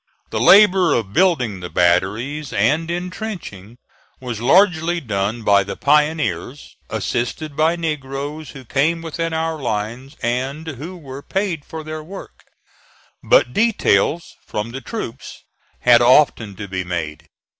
The labor of building the batteries and intrenching was largely done by the pioneers, assisted by negroes who came within our lines and who were paid for their work; but details from the troops had often to be made.